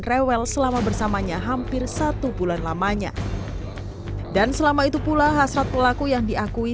rewel selama bersamanya hampir satu bulan lamanya dan selama itu pula hasrat pelaku yang diakui